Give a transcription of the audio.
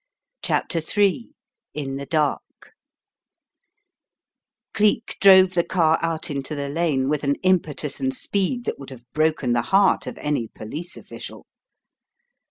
CHAPTER m IN THE DARK CLEEK drove the car out into the lane with an impetus and speed that would have broken the heart of any police official.